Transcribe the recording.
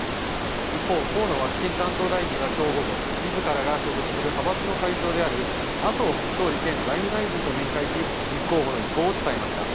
一方、河野ワクチン担当大臣はきょう午後、みずからが所属する派閥の会長である麻生副総理兼財務大臣と面会し、立候補の意向を伝えました。